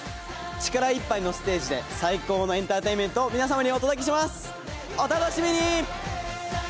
力いっぱいのステージで最高のエンターテインメントをお楽しみに！